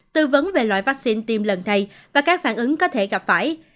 tư vấn về loại vaccine tiêm lần thầy và các phản ứng có thể gặp phải